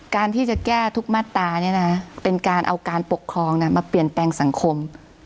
การที่จะแก้ทุกมาตราเป็นการเอาการปกครองมาเปลี่ยนแปลงสังคม